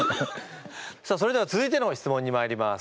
さあそれでは続いての質問にまいります。